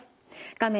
画面